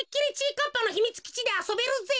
かっぱのひみつきちであそべるぜ。